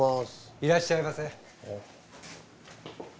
いらっしゃいませ。